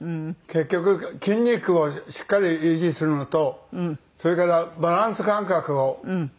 結局筋肉をしっかり維持するのとそれからバランス感覚を。